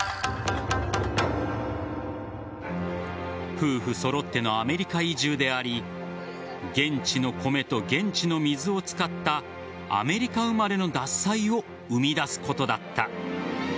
夫婦揃ってのアメリカ移住であり現地の米と現地の水を使ったアメリカ生まれの獺祭を生み出すことだった。